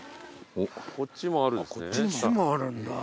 こっちもあるんですね。